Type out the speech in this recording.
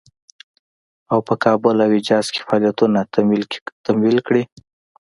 او په کابل او حجاز کې فعالیتونه تمویل کړي.